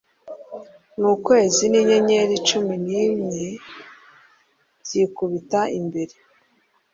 n ukwezi n inyenyeri cumi n imwe byikubita imbere